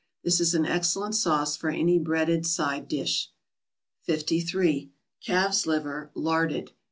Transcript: This is an excellent sauce for any breaded side dish. 53. =Calf's Liver larded.